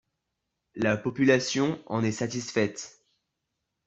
La population en est satisfaite.